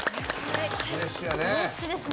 フレッシュやね。